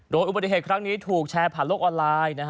โดยอุบัติเหตุครั้งนี้ถูกแชร์ผ่านโลกออนไลน์